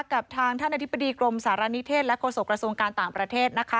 กับทางท่านอธิบดีกรมสารณิเทศและโฆษกระทรวงการต่างประเทศนะคะ